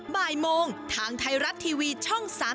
บ่ายโมงทางไทยรัฐทีวีช่อง๓๒